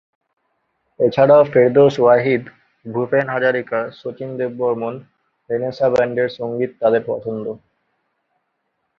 এছাড়াও ফেরদৌস ওয়াহিদ, ভূপেন হাজারিকা, শচীন দেববর্মণ, রেঁনেসা ব্যান্ডের সংগীত তাদের পছন্দ।